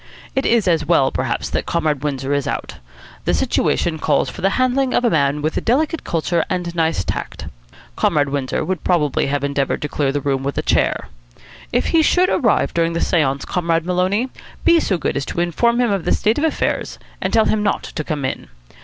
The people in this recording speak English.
It is as well, perhaps, that Comrade Windsor is out. The situation calls for the handling of a man of delicate culture and nice tact. Comrade Windsor would probably have endeavoured to clear the room with a chair. If he should arrive during the seance, Comrade Maloney, be so good as to inform him of the state of affairs, and tell him not to come in.